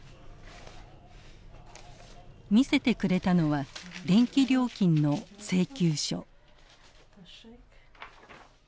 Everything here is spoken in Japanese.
見せてくれたのは電気料金の請求書。